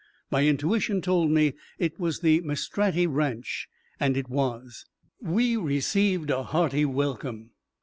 My intuition told me it was the Maestratti ranch. And it was. We received a hearty welcome.